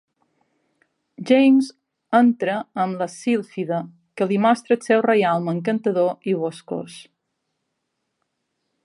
James entra amb la sílfide, que li mostra el seu reialme encantador i boscós.